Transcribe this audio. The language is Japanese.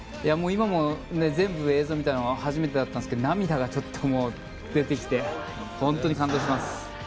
今も全部映像見たのは初めてだったんですけど涙が出てきて本当に感動します。